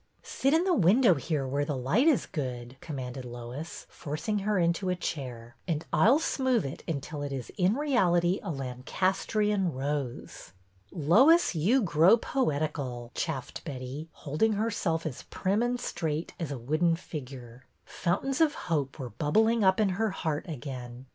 Sit in the window here where the light is good," commanded Lois, forcing her into a chair, and I 'll smooth it until it is in reality a Lan castrian rose." Lois, you grow poetical," chaffed Betty, hold ing herself as prim and straight as a wooden figure. Fountains of hope were bubbling up in her heart again.